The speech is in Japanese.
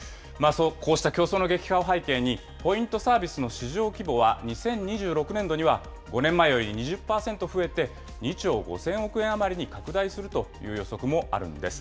こうした競争の激化を背景に、ポイントサービスの市場規模は、２０２６年度には５年前より２０％増えて、２兆５０００億円余りに拡大するという予測もあるんです。